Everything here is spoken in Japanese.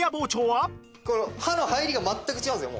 この刃の入りが全く違うんですよ